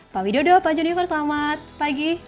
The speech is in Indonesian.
pak widodo pak junifer selamat pagi